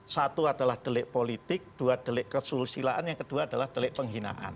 satu adalah delik politik dua delik kesulusilaan yang kedua adalah delik penghinaan